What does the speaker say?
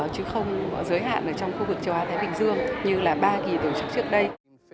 chứ không giới hạn ở trong khu vực châu á thái bình dương như là ba kỳ tổ chức trước đây